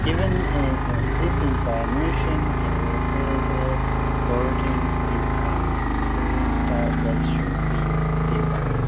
Given this information helicopter parenting is a parenting style that should be depleted.